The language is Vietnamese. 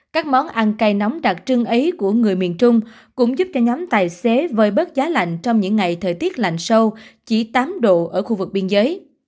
các món ăn cây nóng đặc trưng ấy của người miền trung cũng giúp cho nhóm tài xế vơi bớt giá lạnh trong những ngày thời tiết lạnh sâu chỉ tám độ ở khu vực biên giới